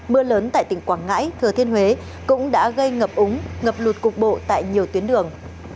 mưa lớn tại tỉnh quảng ngãi thừa thiên huế cũng đã gây ngập úng ngập lụt cục bộ tại nhiều tuyến đường